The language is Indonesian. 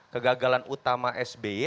kegagalan utama sby